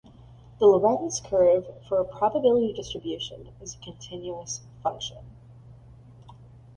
The Lorenz curve for a probability distribution is a continuous function.